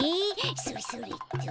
それそれっと。